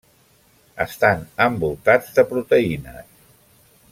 Estan envoltats de proteïnes.